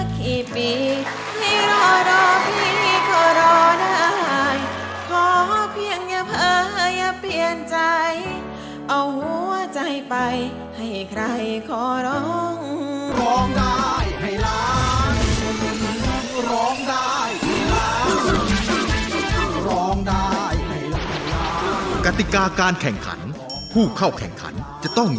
ขอบคุณจริง